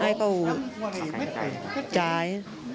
ไอ้ก็จ่าย